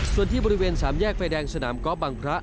ส่วนที่บริเวณสามแยกไฟแดงสนามกอล์บางพระ